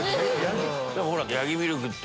ヤギミルクって。